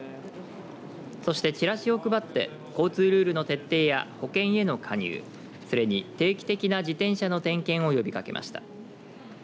そして、チラシを配って交通ルールの徹底や保険への加入それに定期的な自転車の点検を呼びかけました。